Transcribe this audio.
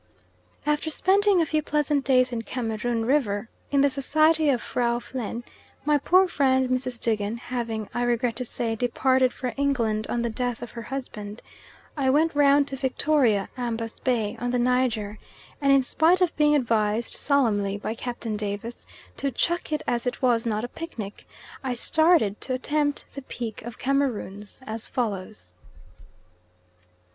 After spending a few pleasant days in Cameroon River in the society of Frau Plehn, my poor friend Mrs. Duggan having, I regret to say, departed for England on the death of her husband, I went round to Victoria, Ambas Bay, on the Niger, and in spite of being advised solemnly by Captain Davies to "chuck it as it was not a picnic," I started to attempt the Peak of Cameroons as follows.